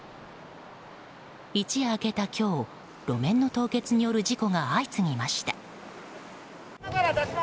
一夜明けた今日路面の凍結による事故が相次ぎました。